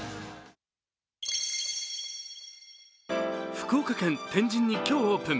福岡県天神に今日オープン